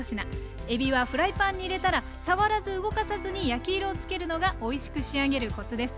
えびはフライパンに入れたら触らず動かさずに焼き色をつけるのがおいしく仕上げるコツです。